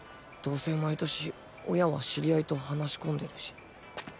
どうせ毎年親は知り合いと話し込んでるし。